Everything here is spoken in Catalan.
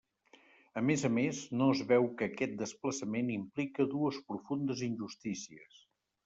A més a més, no es veu que aquest desplaçament implica dues profundes injustícies.